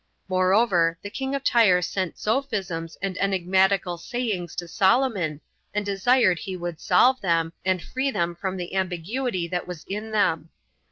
Moreover, the king of Tyre sent sophisms and enigmatical sayings to Solomon, and desired he would solve them, and free them from the ambiguity that was in them.